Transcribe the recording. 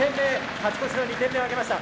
勝ち越しの２点目を挙げました。